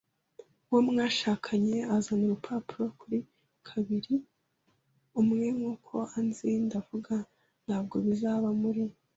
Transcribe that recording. uwo mwashakanye azana urupapuro kuri kabili - umwe nkuko anzi, ndavuga - ntabwo bizaba muri